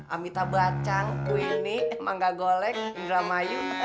amita bacang queenie mangga golek indra mayu